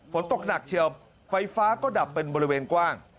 ฝนตกหนักเชียวไฟฟ้าก็ดับเป็นบริเวณกว้าง